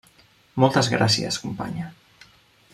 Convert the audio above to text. Moltes gràcies, companya.